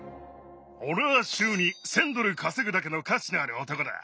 俺は週に１，０００ドル稼ぐだけの価値のある男だ。